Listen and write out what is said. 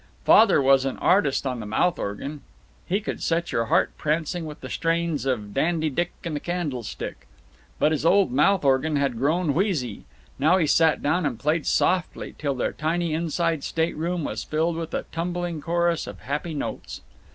Father was an artist on the mouth organ. He could set your heart prancing with the strains of "Dandy Dick and the Candlestick." But his old mouth organ had grown wheezy. Now he sat down and played softly till their tiny inside state room was filled with a tumbling chorus of happy notes.